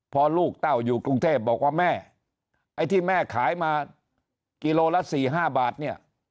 พอลูกเต้าอยู่กรุงเทพบอกว่าแม่ไอ้ที่แม่ขายมากิโลละ๔๕บาทเนี่ย